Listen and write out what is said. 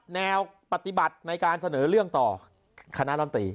แนวปฏิบัติในการเสนอเรื่องต่อคณะรำตี